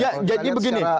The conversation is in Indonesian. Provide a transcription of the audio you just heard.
ya jadi begini